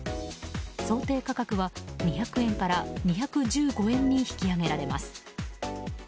想定価格は２００円から２１５円に引き上げられます。